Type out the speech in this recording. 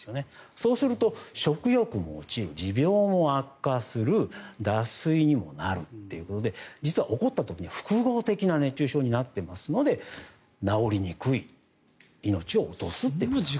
そうすると、食欲も落ちる持病も悪化する脱水にもなるということで実は起こった時には複合的な熱中症になっていますので治りにくい、命を落とすっていうことなんです。